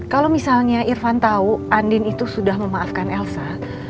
kalau misalnya irfan tahu andin itu sudah memaafkan elsa